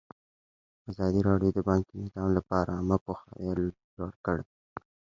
ازادي راډیو د بانکي نظام لپاره عامه پوهاوي لوړ کړی.